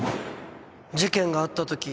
事件があったとき